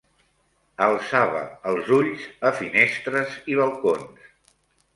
Alçava els ulls a finestres i balcons